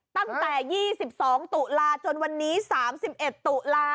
ตั้งแต่๒๒ตุลาจนวันนี้๓๑ตุลา